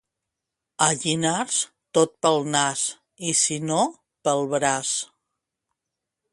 A Llinars, tot pel nas, i si no, pel braç.